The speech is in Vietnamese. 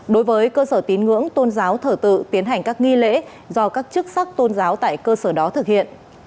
đối với cơ sở tín ngưỡng tôn giáo thở tự tiến hành các nghi lễ do các chức sắc tôn giáo tại cơ sở đó thực hiện